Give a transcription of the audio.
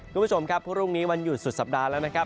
คุณผู้ชมครับพรุ่งนี้วันหยุดสุดสัปดาห์แล้วนะครับ